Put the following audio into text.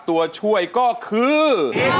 ตัวช่วยก็คือ